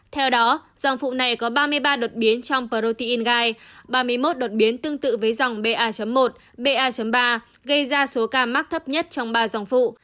theo đó dòng phụ này có ba mươi ba đột biến trong protein gai ba mươi một đột biến tương tự với dòng ba một ba gây ra số ca mắc thấp nhất trong ba dòng phụ